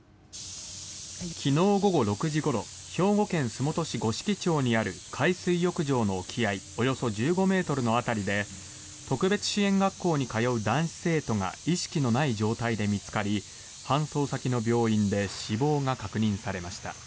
昨日午後６時ごろ兵庫県洲本市五色町にある海水浴場の沖合およそ１５ｍの辺りで特別支援学校に通う男子生徒が意識のない状態で見つかり搬送先の病院で死亡が確認されました。